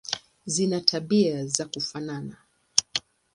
Zina tabia za kufanana.